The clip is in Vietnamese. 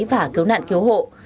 và cứu nạn cứu hộ